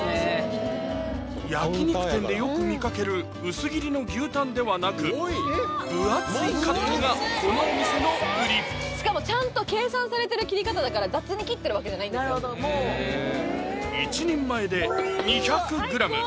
焼肉店でよく見かける薄切りの牛タンではなく分厚いカットがこのお店のウリしかもちゃんと計算されてる切り方だから雑に切ってるわけじゃないんですよ